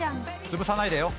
「潰さないでよ！」